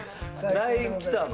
ＬＩＮＥ来たの？